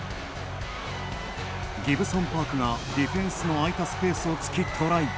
ギブソンパークがディフェンスの空いたスペースを突き、トライ。